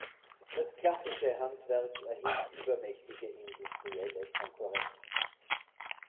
Das klassische Handwerk erhielt übermächtige industrielle Konkurrenz.